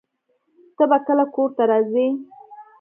ته به کله کور ته راځې؟